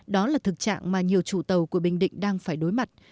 đó là thực trạng mà nhiều chủ tàu của bình định đang phải đối mặt